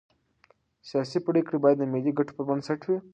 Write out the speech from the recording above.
سیاسي پرېکړې باید د ملي ګټو پر بنسټ وي